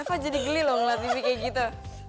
reva jadi geli loh ngeliat tv kayak gitu